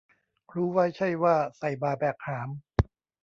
รู้ไว้ใช่ว่า ใส่บ่าแบกหาม